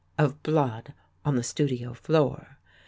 — of blood on the studio floor.